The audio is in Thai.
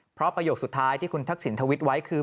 เพราะประโยคสุดท้ายที่คุณทักษิณทวิตไว้คือ